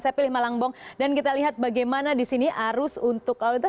saya pilih malangbong dan kita lihat bagaimana di sini arus untuk lalu lintas